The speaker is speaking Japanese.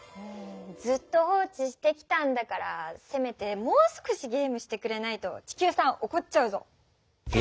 ずっと放置してきたんだからせめてもう少しゲームしてくれないと地球さんおこっちゃうぞ。